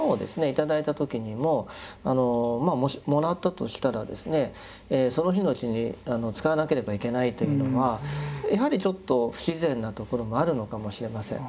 頂いた時にももらったとしたらですねその日のうちに使わなければいけないというのはやはりちょっと不自然なところもあるのかもしれません。